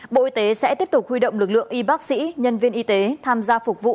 bộ y tế sẽ tiếp tục huy động lực lượng y bác sĩ nhân viên y tế tham gia phục vụ